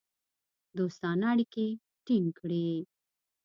دوستانه اړیکې ټینګ کړې.